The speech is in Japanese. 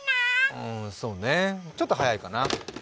うーん、そうね、ちょっと早いかな。